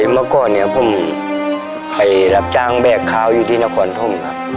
เมื่อก่อนเนี่ยผมไปรับจ้างแบกข้าวอยู่ที่นครพมครับ